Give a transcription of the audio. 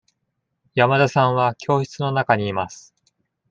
山田さんは教室の中にいます。